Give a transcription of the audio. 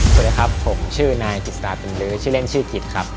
สวัสดีครับผมชื่อนายกิจตาเป็นลื้อชื่อเล่นชื่อกิจครับ